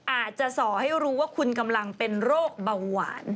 อาจจะส่อให้รู้ว่าคุณกำลังเป็นโรคเบาหวาน